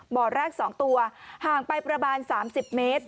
บ่อแรก๒ตัวห่างไปประมาณ๓๐เมตร